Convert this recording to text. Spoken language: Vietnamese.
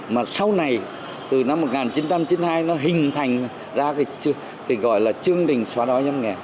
mà sau này từ năm một nghìn chín trăm chín mươi hai nó hình thành ra cái gọi là chương trình xóa đói giảm nghèo